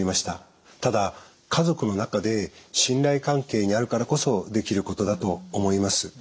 ただ家族の中で信頼関係にあるからこそできることだと思います。